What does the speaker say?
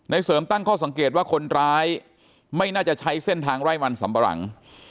เสริมตั้งข้อสังเกตว่าคนร้ายไม่น่าจะใช้เส้นทางไร่มันสำปะหลัง